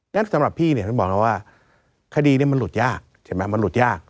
และสำหรับพี่เนี่ยท่านบอกแล้วว่าคดีนี้มันหลุดยากใช่ไหมมันหลุดยาก